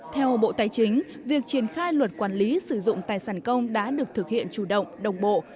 theo bộ tài chính việc triển khai luật quản lý sử dụng tài sản công đã được thực hiện chủ động đồng bộ